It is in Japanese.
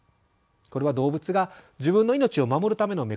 これは動物が自分の命を守るためのメカニズムです。